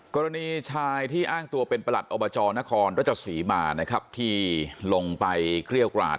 กรณีชายที่อ้างตัวเป็นประหลัดอบจนครรัชศรีมานะครับที่ลงไปเกลี้ยวกราด